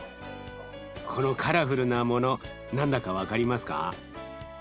このカラフルなもの何だか分かりますか？